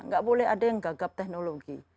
gak boleh ada yang gagap teknologi